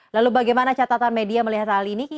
lalu bagaimana catatan media melihat hal ini